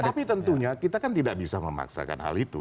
tapi tentunya kita kan tidak bisa memaksakan hal itu